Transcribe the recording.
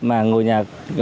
mà ngồi nhà